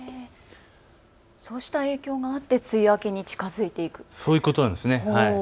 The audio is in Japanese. そうした影響があって梅雨明けに近づいていく、そういうことなんです。